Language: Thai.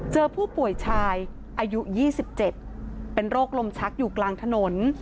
เจอผู้ป่วยชายอายุ๒๗เป็นโรคลมชักอยู่กลางถนน